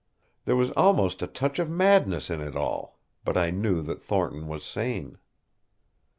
There was almost a touch of madness in it all; but I knew that Thornton was sane.